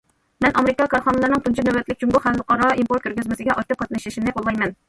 مەن ئامېرىكا كارخانىلىرىنىڭ تۇنجى نۆۋەتلىك جۇڭگو خەلقئارا ئىمپورت كۆرگەزمىسىگە ئاكتىپ قاتنىشىشىنى قوللايمەن.